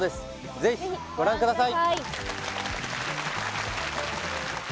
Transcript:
ぜひご覧ください